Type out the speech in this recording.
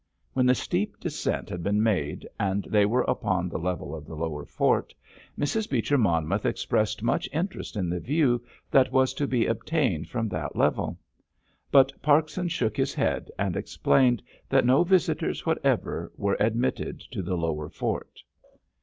When the steep descent had been made, and they were upon the level of the lower fort, Mrs. Beecher Monmouth expressed much interest in the view that was to be obtained from that level. But Parkson shook his head, and explained that no visitors whatever were admitted to the lower fort.